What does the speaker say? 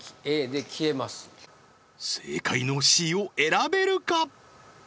正解のＣを選べるか？